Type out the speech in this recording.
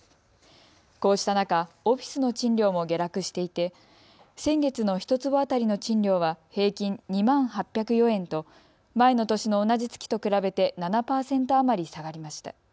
こうした中、オフィスの賃料も下落していて先月の１坪当たりの賃料は平均２万８０４円と前の年の同じ月と比べて７％余り下がりました。